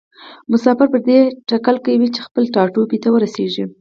مسافر پر دې تکل کې وي چې خپل ټاټوبي ته ورسیږي.